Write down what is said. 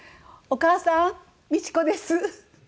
お母さん路子です。